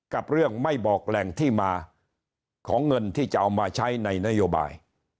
กับเรื่องไม่บอกแหล่งที่มาของเงินที่จะเอามาใช้ในนโยบาย